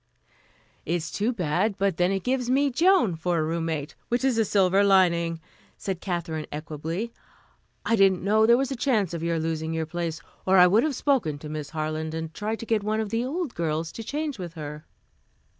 "It is too bad; but then it gives me Joan for a roommate, which is a silver lining," said Katherine equably. "I didn't know there was a chance of your losing your place, or I would have spoken to Miss Harland and tried to get one of the old girls to change with her."